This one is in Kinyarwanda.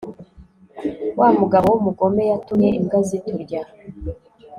wamugabo wumugome yatumye imbwa ziturya